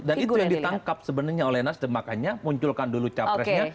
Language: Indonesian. dan itu yang ditangkap sebenarnya oleh nasdam makanya munculkan dulu capresnya